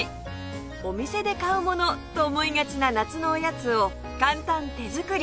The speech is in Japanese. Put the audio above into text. お店で買うものと思いがちな夏のおやつを簡単手作り！